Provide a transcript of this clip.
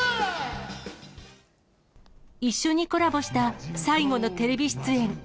一緒にコラボした最後のテレビ出演。